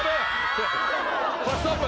ストップ！